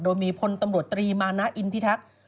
โดยมีพลตำรวจตรีมานะอินพิทักษ์